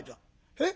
「えっ！？